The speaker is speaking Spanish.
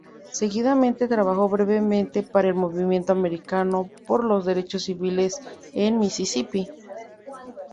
Seguidamente trabajó brevemente para el Movimiento Americano por los derechos civiles en Mississippi.